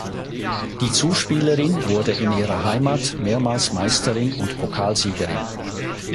Die Zuspielerin wurde in ihrer Heimat mehrmals Meisterin und Pokalsiegerin.